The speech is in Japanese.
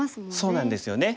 そうなんですよね。